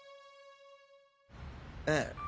ええ。